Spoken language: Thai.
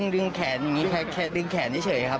ดึงแขนอย่างนี้ดึงแขนเฉยครับ